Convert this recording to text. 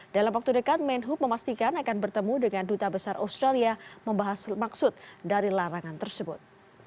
dalam waktu dekat menhub memastikan akan bertemu dengan duta besar australia membahas maksud dari larangan tersebut